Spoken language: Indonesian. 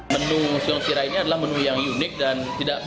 menu siong sira ini adalah menu yang unik dan tidak ada yang tidak terkenal